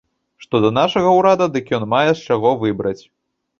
Што да нашага ўрада, дык ён мае з чаго выбраць.